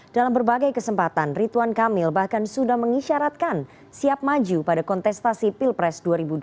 dalam berbagai kesempatan rituan kamil bahkan sudah mengisyaratkan siap maju pada kontestasi pilpres dua ribu dua puluh